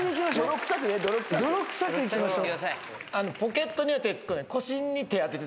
泥臭くいきましょう。